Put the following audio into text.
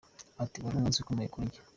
Ati “Wari umunsi ukomeye kuri njye.